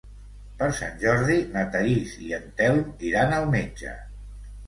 Per Sant Jordi na Thaís i en Telm iran al metge.